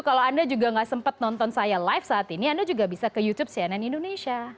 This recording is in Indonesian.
kalau anda juga nggak sempat nonton saya live saat ini anda juga bisa ke youtube cnn indonesia